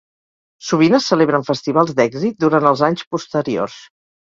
Sovint es celebren festivals d'èxit durant els anys posteriors.